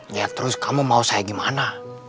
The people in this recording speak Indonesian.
lihat terus kamu mau saya gimana